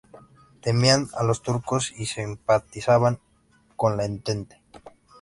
Temían a los turcos y simpatizaban con la Entente.